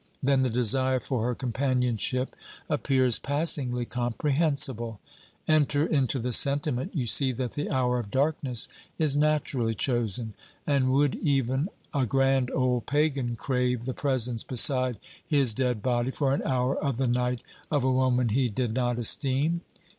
Then the desire for her companionship appears passingly comprehensible. Enter into the sentiment, you see that the hour of darkness is naturally chosen. And would even a grand old Pagan crave the presence beside his dead body for an hour of the night of a woman he did not esteem?